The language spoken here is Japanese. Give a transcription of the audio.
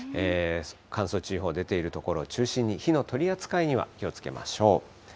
乾燥注意報が出ている所を中心に火の取り扱いには気をつけましょう。